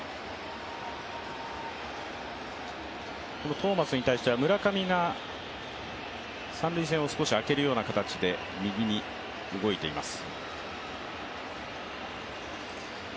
トーマスに対しては村上が三塁線をあけるような形で右に動いています。